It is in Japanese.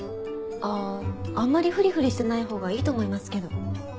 あぁあんまりフリフリしてないほうがいいと思いますけど。